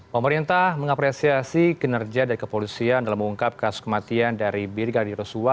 pemerintah mengapresiasi kinerja dari kepolisian dalam mengungkap kasus kematian dari brigadir yosua